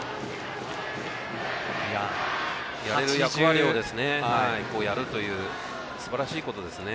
やれる役割をやるというすばらしいことですね。